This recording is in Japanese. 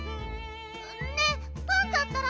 ねえパンタったら！